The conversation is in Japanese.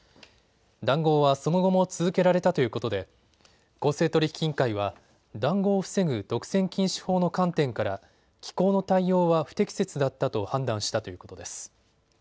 談合はその後も続けられたということで公正取引委員会は談合を防ぐ独占禁止法の観点から機構の対応は不適切だったと判断したということです。